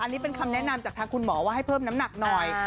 อันนี้เป็นคำแนะนำจากทางคุณหมอว่าให้เพิ่มน้ำหนักหน่อย